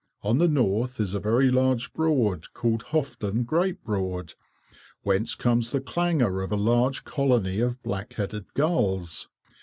On the north is a very large Broad, called Hoveton Great Broad, whence comes the clangour of a large colony of black headed gulls.